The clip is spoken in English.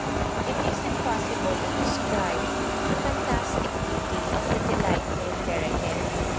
It is impossible to describe the fantastic beauty of the delightful Fereghet.